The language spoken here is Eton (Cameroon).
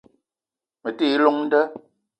Me te yi llong nda